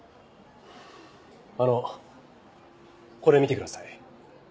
あのこれ見てください。